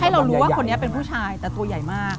เรารู้ว่าคนนี้เป็นผู้ชายแต่ตัวใหญ่มาก